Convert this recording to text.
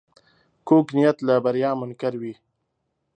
کوږ نیت له بریا منکر وي